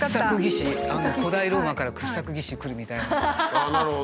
あっなるほど。